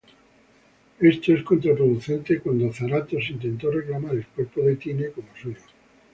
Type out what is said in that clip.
Esto es contraproducente cuando Zarathos intentó reclamar el cuerpo de Tyne como suyo.